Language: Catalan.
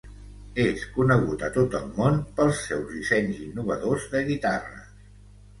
És conegut a tot el món pels seus dissenys innovadors de guitarres.